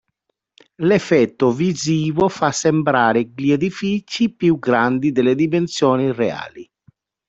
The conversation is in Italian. L'effetto visivo fa sembrare gli edifici più grandi delle dimensioni reali.